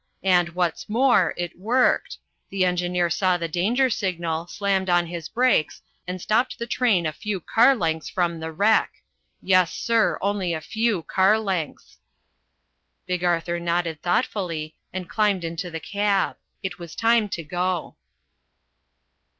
And, what's more, it worked! The engineer saw the danger signal, slammed on his brakes, and stopped the train a few car lengths from the wreck. Yes, sir, only a few car lengths!" Big Arthur nodded thoughtfully, and climbed into the cab. It was time to go.